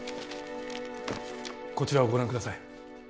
こちらをご覧ください。